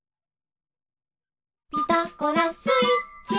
「ピタゴラスイッチ」